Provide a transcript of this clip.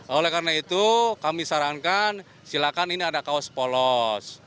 oleh karena itu kami sarankan silakan ini ada kaos polos